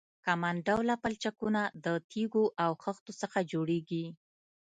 کمان ډوله پلچکونه د تیږو او خښتو څخه جوړیږي